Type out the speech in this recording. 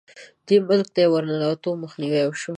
دې ملک ته یې د ورننوتو مخنیوی وشو.